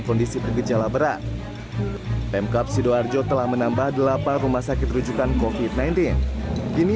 kondisi bergejala berat pemkap sidoarjo telah menambah delapan rumah sakit rujukan covid sembilan belas kini